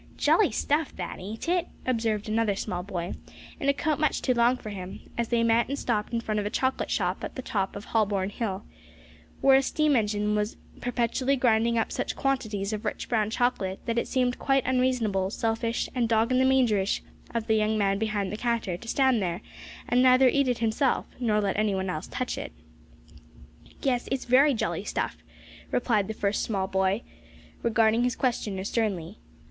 "Jolly stuff that, ain't it?" observed another small boy, in a coat much too long for him, as they met and stopped in front of a chocolate shop at the top of Holborn Hill, where a steam engine was perpetually grinding up such quantities of rich brown chocolate, that it seemed quite unreasonable, selfish, and dog in the manger ish of the young man behind the counter to stand there, and neither eat it himself, nor let anyone else touch it. "Yes, it's very jolly stuff," replied the first small boy, regarding his questioner sternly.